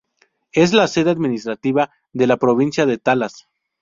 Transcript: Es la sede administrativa de la provincia de Talas.